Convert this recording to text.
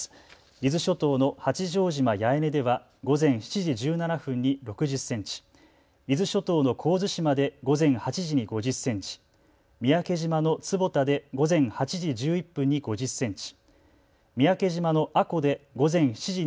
伊豆諸島の八丈島八重根では午前７時１７分に６０センチ、伊豆諸島の神津島で午前８時に５０センチ、三宅島の坪田で午前８時１１分に５０センチ。